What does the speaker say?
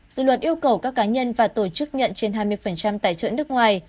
dự luật yêu cầu các cá nhân và tổ chức nhận trên hai mươi tài trợ nước ngoài